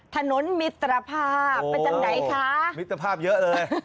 ถนนมิตรภาพเป็นจังไงคะมิตรภาพเยอะเลย